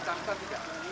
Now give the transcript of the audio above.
tangan tapi tidak